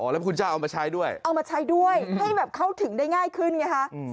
แล้วคุณจะเอามาใช้ด้วยเอามาใช้ด้วยให้แบบเข้าถึงได้ง่ายขึ้นไงคะ